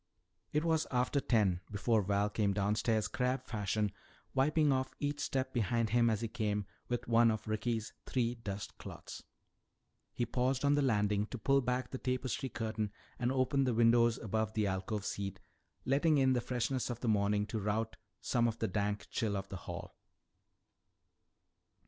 It was after ten before Val came downstairs crab fashion, wiping off each step behind him as he came with one of Ricky's three dust cloths. He paused on the landing to pull back the tapestry curtain and open the windows above the alcove seat, letting in the freshness of the morning to rout some of the dank chill of the hall.